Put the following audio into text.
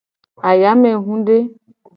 Ayamehude.